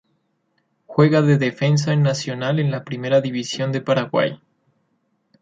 Juega de defensa en Nacional en la Primera División de Paraguay.